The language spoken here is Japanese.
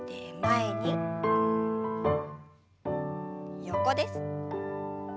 横です。